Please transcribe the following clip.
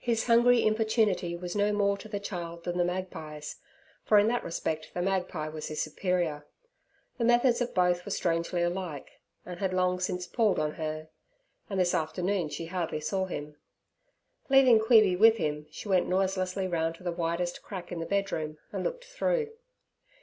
His hungry importunity was no more to the child than the magpie's, for in that respect the magpie was his superior. The methods of both were strangely alike, and had long since palled on her, and this afternoon she hardly saw him. Leaving Queeby with him, she went noiselessly round to the widest crack in the bedroom and looked through.